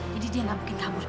jadi dia gak mungkin kabur pak